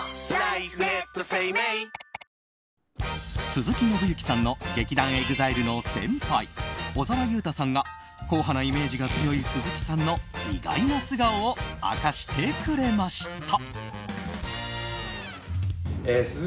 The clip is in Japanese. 鈴木伸之さんの劇団ＥＸＩＬＥの先輩小澤雄太さんが硬派なイメージが強い鈴木さんの意外な素顔を明かしてくれました。